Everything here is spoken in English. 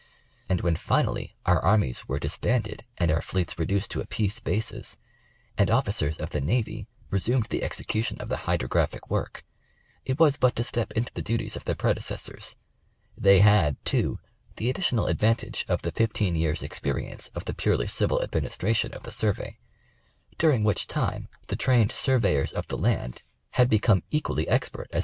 And when finally, our Armies were disbanded and our fleets reduced to a peace basis, and officers of the Navy resumed the execution of the Hydrographic work, it was but to step into the duties of their predecessors ; they had, too, the additional advantage of the fifteen years' experience of the purely civil administration of the Survey, during which time the trained surveyors of the land had become equally expert as 64 National Geographic Magazine.